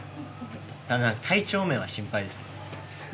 ただ、体調面は心配ですね。